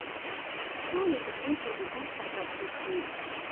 ټولې د خېټې د درد سبب ګرځي.